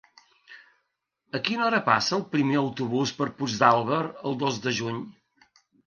A quina hora passa el primer autobús per Puigdàlber el dos de juny?